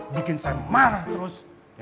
bikin saya marah terus